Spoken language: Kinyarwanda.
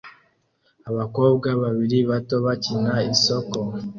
Abakobwa babiri bato bakina isoko